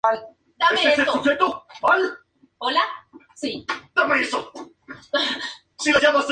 Esto tiene cierta rigidez, ya que no permite agregar diferentes variaciones.